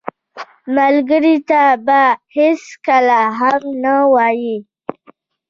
ملګری ته به هېڅکله هم نه وایې